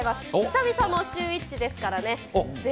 久々のシューＷｈｉｃｈですからね。